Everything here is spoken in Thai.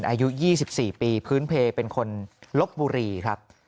อายุยี่สิบสี่ปีพื้นเพลเป็นคนลบบุรีครับ